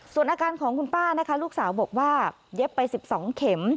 ส่วนอาการของคุณป้านะคะลูกสาวบอกว่าเย็บไป๑๒เข็ม